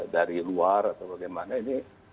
dari luar atau bagaimana ini